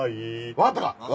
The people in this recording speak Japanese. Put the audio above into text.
わかったか！？